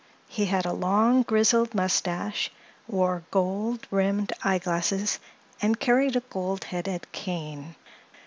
He had a long, grizzled mustache, wore gold rimmed eyeglasses and carried a gold headed cane.